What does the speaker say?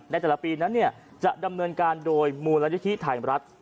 ในแต่ละปีนั้นจะดำเนินการโดยมูลนิธิไทยรัฐ